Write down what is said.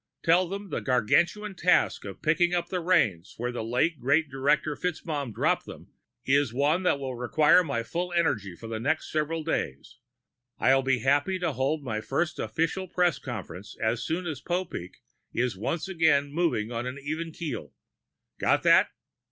Tell them the Gargantuan task of picking up the reins where the late, great Director FitzMaugham dropped them is one that will require my full energy for the next several days. I'll be happy to hold my first official press conference as soon as Popeek is once again moving on an even keel. Got that?"